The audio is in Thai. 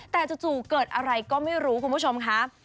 แต่จู่เกิดอะไรก็ไม่รู้คุณผู้ชมค่ะ